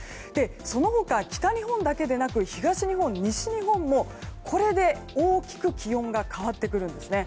その他、北日本だけでなく東日本、西日本もこれで大きく気温が変わってくるんですね。